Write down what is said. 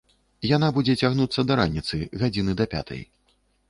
Яна будзе цягнуцца да раніцы, гадзіны да пятай.